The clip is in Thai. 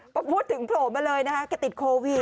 พอพูดถึงโผล่มาเลยนะคะแกติดโควิด